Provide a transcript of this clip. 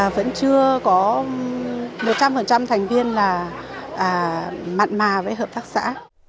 vẫn chưa có một trăm linh thành viên là mặn mà với hợp tác xã